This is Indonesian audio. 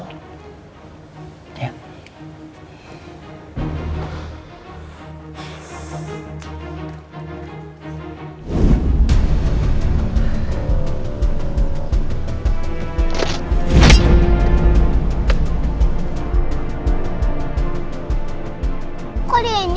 saya ingin mencari informasi yang baik